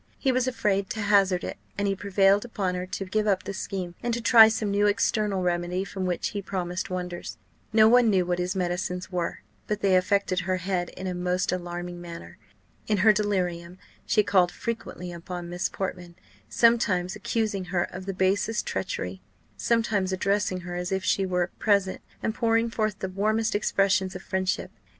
He was afraid to hazard it, and he prevailed upon her to give up the scheme, and to try some new external remedy from which he promised wonders. No one knew what his medicines were, but they affected her head in the most alarming manner. In her delirium she called frequently upon Miss Portman; sometimes accusing her of the basest treachery, sometimes addressing her as if she were present, and pouring forth the warmest expressions of friendship.